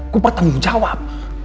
gue bertanggung jawab